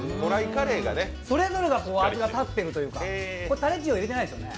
それぞれの味がたっているというか、タレッジオ入れてないですよね？